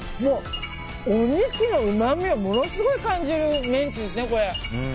お肉のうまみをものすごく感じるメンチですね。